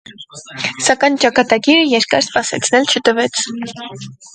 Սակայն ճակատագիրը երկար սպասեցնել չտվեց։